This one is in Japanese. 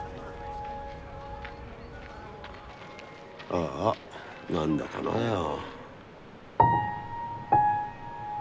ああ何だかなぁや。